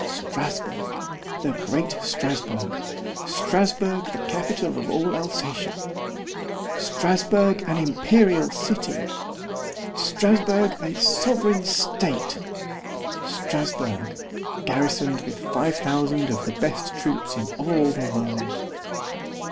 —Strasburg!——the great Strasburg!——Strasburg, the capital of all Alsatia! Strasburg, an imperial city! Strasburg, a sovereign state! Strasburg, garrisoned with five thousand of the best troops in all the world!